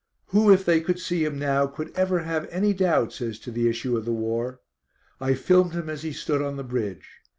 Who, if they could see him now, could ever have any doubts as to the issue of the war? I filmed him as he stood on the bridge.